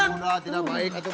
sudah tidak baik itu